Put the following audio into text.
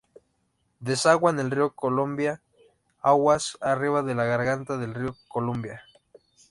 Desagua en el río Columbia aguas arriba de la garganta del río Columbia.